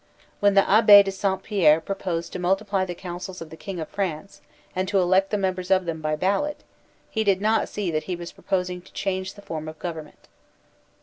When the Abbd de Saint Pierre proposed to multiply the councils of the King of France and to elect the members of them by ballot, he did not see that he was proposing to change the form of government.